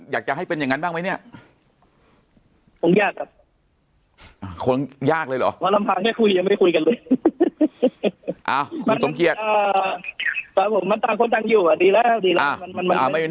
อยากจะให้เป็นอย่างงั้นบ้างมั้ยเนี่ยต้องยากครับคงยากเลยหรอ